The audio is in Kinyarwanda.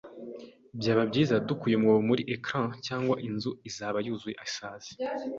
Byaba byiza dukuye umwobo muri ecran cyangwa inzu izaba yuzuye isazi.